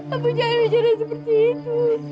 abu jangan bicara seperti itu